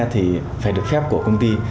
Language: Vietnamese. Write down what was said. thì phải được phép của công ty